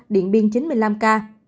điện biên chín mươi năm ca